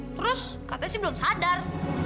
terus katanya sih belum sadar